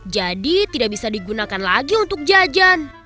jadi tidak bisa digunakan lagi untuk jajan